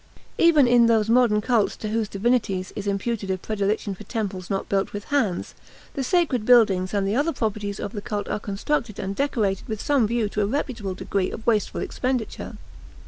Even in those modern cults to whose divinities is imputed a predilection for temples not built with hands, the sacred buildings and the other properties of the cult are constructed and decorated with some view to a reputable degree of wasteful expenditure.